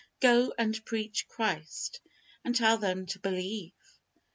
Go and preach Christ, and tell him to believe."